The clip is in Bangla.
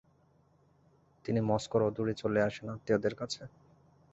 তিনি মস্কোর অদূরে চলে আসেন আত্মীয়দের কাছে।